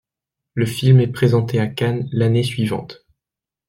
Le film est présenté à Cannes l'année suivante.